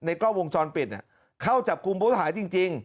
ในกล้องวงจรปิดเข้าจับกลุ่มโปรดหายจริง